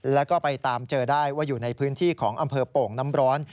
แล้วก็ไปตามเจอได้ว่าอยู่ในพื้นที่ของอำเภอโป่งน้ำร้อน